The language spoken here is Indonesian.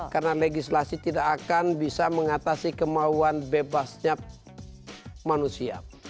karena legislasi tidak akan bisa mengatasi kemauan bebasnya manusia